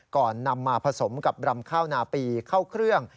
ก่อนนำมาผสมกับรำข้าวนาปีเข้าเครื่อง